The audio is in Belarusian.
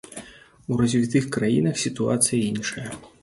У развітых краінах сітуацыя іншая.